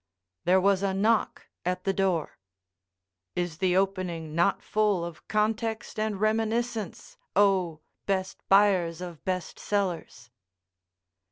There was a knock at the door (is the opening not full of context and reminiscence oh, best buyers of best sellers?).